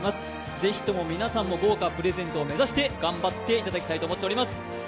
是非とも皆さんも豪華プレゼントを目指して頑張っていただきたいと思っております。